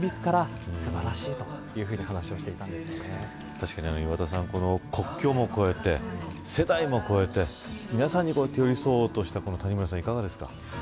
確かに岩田さん国境も越えて世代も超えて、皆さんに寄り添おうとした谷村さん、いかがですか。